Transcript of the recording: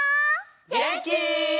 げんき？